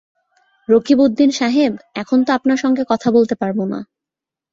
রকিবউদ্দিন সাহেব, এখন তো আপনার সঙ্গে কথা বলতে পারব না।